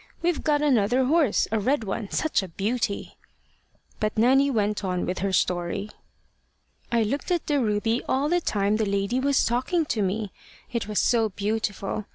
We've got another horse a red one such a beauty!" But Nanny went on with her story. "I looked at the ruby all the time the lady was talking to me, it was so beautiful!